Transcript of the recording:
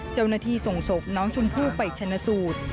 เจ้าหน้าที่ส่งศพน้องชมพู่ไปชนะสูตร